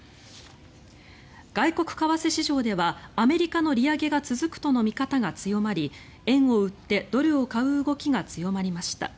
外国為替市場ではアメリカの利上げが続くとの見方が強まり円を売ってドルを買う動きが強まりました。